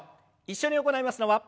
一緒に行いますのは。